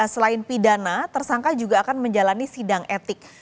selain pidana tersangka juga akan menjalani sidang etik